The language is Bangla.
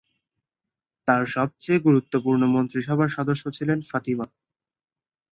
তার সবচেয়ে গুরুত্বপূর্ণ মন্ত্রিসভার সদস্য ছিলেন ফাতিমা।